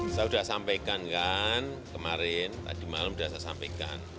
saya sudah sampaikan kan kemarin tadi malam sudah saya sampaikan